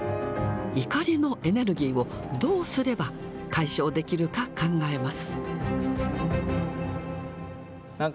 怒りのエネルギーをどうすれば解消できるか考えます。